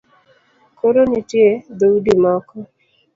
Koro nitie dhoudi moko